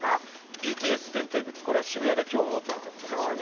ＢＴＳ限定グッズ、今日渋谷でオープンということですね。